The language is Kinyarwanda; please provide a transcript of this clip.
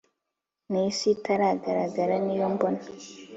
Nisi itagaragara niyo mbona